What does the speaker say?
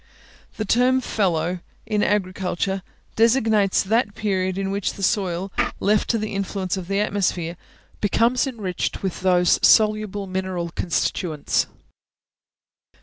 The term fallow, in Agriculture, designates that period in which the soil, left to the influence of the atmosphere, becomes enriched with those soluble mineral constituents.